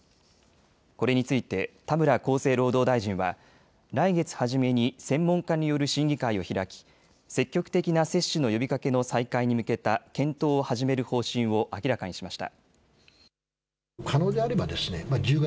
これについて田村厚生労働大臣は来月初めに専門家による審議会を開き積極的な接種の呼びかけの再開に向けた検討を始める方針を明らかにしました。